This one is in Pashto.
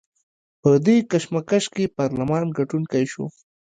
په دې کشمکش کې پارلمان ګټونکی شو.